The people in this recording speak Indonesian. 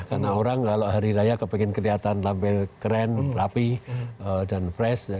karena orang kalau hari raya kepingin kelihatan keren rapi dan fresh